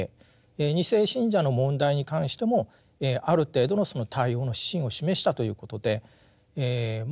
２世信者の問題に関してもある程度のその対応の指針を示したということでえま